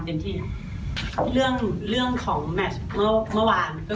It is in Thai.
แนนสูงสุดท้ายที่บราซิลครับ